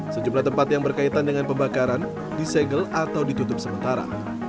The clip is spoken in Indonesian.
sejumlah tempat yang berkaitan dengan pembakaran disegel atau ditutup sementara